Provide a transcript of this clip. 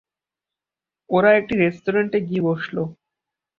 ওরা একটি রেস্টুরেন্টে গিয়ে বসল।